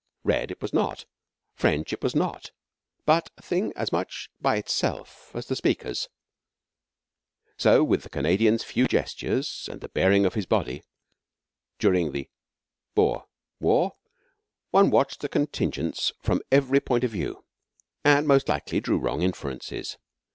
Red it was not; French it was not; but a thing as much by itself as the speakers. So with the Canadian's few gestures and the bearing of his body. During the (Boer) war one watched the contingents from every point of view, and, most likely, drew wrong inferences.